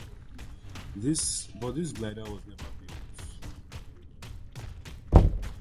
But this glider was never built.